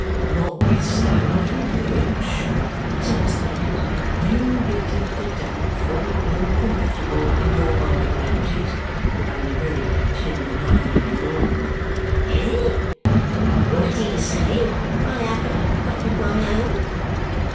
"Notwithstanding which," said Mr. Bucket, "you get a little doubtful and uncomfortable in your mind about it, having a very tender mind of your own." "Eh? What do you say I have got of my own?"